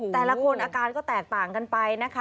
แต่ละคนอาการก็แตกต่างกันไปนะคะ